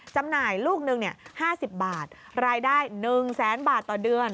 จำหน่ายลูกหนึ่ง๕๐บาทรายได้๑แสนบาทต่อเดือน